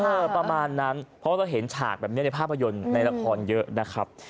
ประมาณนั้นเพราะเราเห็นฉากแบบนี้ในภาพยนตร์ในละครเยอะนะครับ